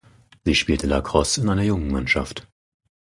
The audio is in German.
Sie spielte Lacrosse in einer Jungenmannschaft.